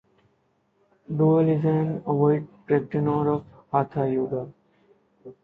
Duval is an avid practitioner of hatha yoga.